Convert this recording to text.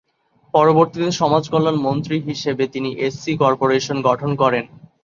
পরবর্তীতে, সমাজ কল্যাণ মন্ত্রী হিসেবে, তিনি এসসি কর্পোরেশন গঠন করেন।